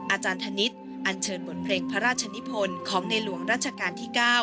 อาจารย์ธนิษฐ์อันเชิญบทเพลงพระราชนิพลของในหลวงรัชกาลที่๙